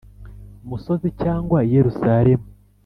musozi cyangwa i Yerusalemu